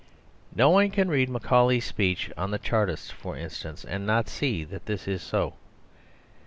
No one can read Macaulay's speech on the Chartists, for instance, and not see that this is so.